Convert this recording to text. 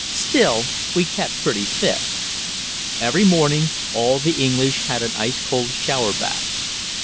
Still we kept pretty fit. Every morning all the English had an ice cold shower bath.